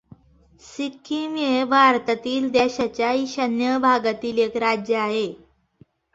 सिक्कीम हे भारतातील देशाच्या ईशान्य भागातील एक राज्य आहे.